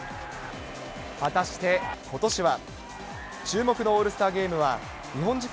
果たしてことしは？